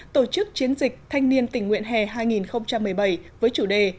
tổ chức chiến dịch thanh niên tình nguyện hè hai nghìn một mươi bảy với chủ đề